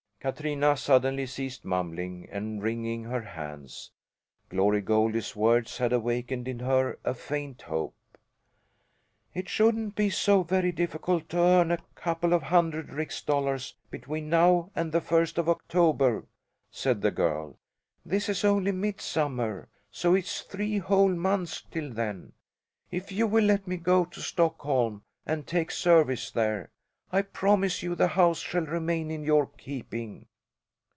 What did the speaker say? Katrina suddenly ceased mumbling and wringing her hands. Glory Goldie's words had awakened in her a faint hope. "It shouldn't be so very difficult to earn a couple of hundred rix dollars between now and the first of October," said the girl. "This is only midsummer, so it's three whole months till then. If you will let me go to Stockholm and take service there, I promise you the house shall remain in your keeping."